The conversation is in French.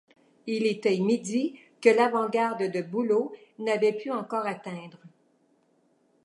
Il était midi que l’avant-garde de Bülow n’avait pu encore atteindre.